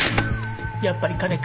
やっぱり金か。